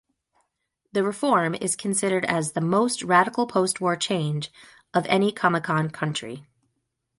The reform is considered as "the most radical postwar change" of any Comecon country.